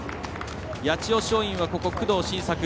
八千代松陰は、工藤慎作。